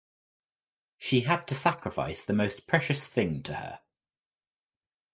She had to sacrifice the most precious thing to her.